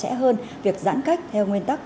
và trẻ hơn việc giãn cách theo nguyên tắc